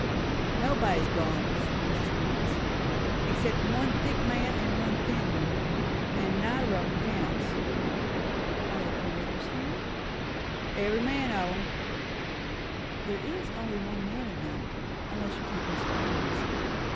"Nobody's gone," said Mrs. Marx; "except one thick man and one thin one; and neither of 'em counts." "Are the Caruthers here?" "Every man of 'em." "There is only one man of them; unless you count Mr. Lenox."